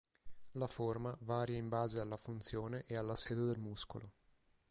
La forma varia in base alla funzione e alla sede del muscolo.